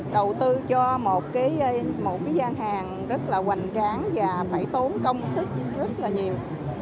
đầu tư cho một cái gian hàng rất là hoành tráng và phải tốn công sức rất là nhiều